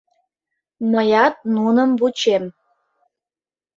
Мыят нуным вучем.